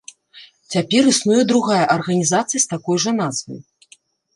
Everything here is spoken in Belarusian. Цяпер існуе другая арганізацыя з такой жа назвай.